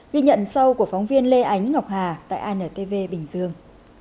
ghi nhận sau của phóng viên lê ánh ngọc hà tại antv bình dương